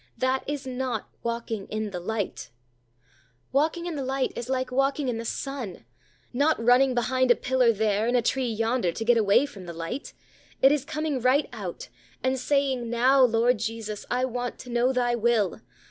That is not walking in the light. Walking in the light is like walking in the sun not running behind a pillar there, and a tree yonder, to get away from the light. It is coming right out, and saying, "Now, Lord Jesus; I want to know Thy will.